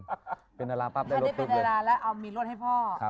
ถ้าได้เป็นดาราแล้วเอามีรถให้พ่อ